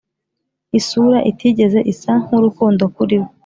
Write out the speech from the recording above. isura itigeze isa nkurukundo kuri we,